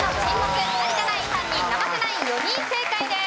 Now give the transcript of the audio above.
有田ナイン３人生瀬ナイン４人正解です。